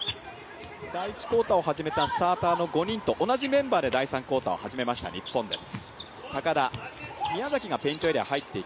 第１クオーターを始めたスターターの５人と同じメンバーで第３クオーターを始めました日本です。